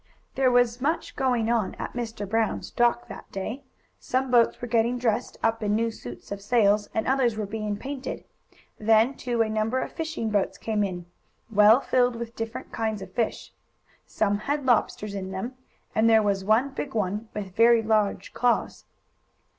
There was much going on at Mr. Brown's, dock that day. Some boats were getting dressed up in new suits of sails, and others were being painted. Then, too, a number of fishing boats came in, well filled with different kinds of fish. Some had lobsters in them and there was one big one, with very large claws.